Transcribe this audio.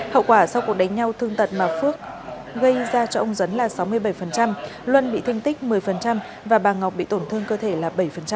hậu quả sau cuộc đánh nhau thương tật mà phước gây ra cho ông dấn là sáu mươi bảy luân bị thương tích một mươi và bà ngọc bị tổn thương cơ thể là bảy